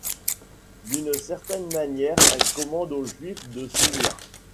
D'une certaine manière, elle commande aux juifs de s'unir.